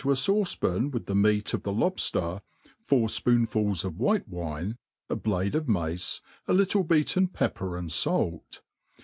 a fauce pan with the meat of the lobfter, four fpoonfuls of white wine, a blade of inace, a little beaten pepper and fait.